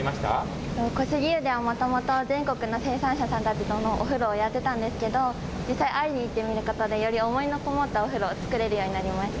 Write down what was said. もともと全国の生産者さんたちとのお風呂をやってたんですけれども、実際会いに行ってみることで、より思いの込もったお風呂を作れるようになりました。